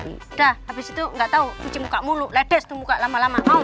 udah habis itu gak tau puji muka mulu ledes tuh muka lama lama mau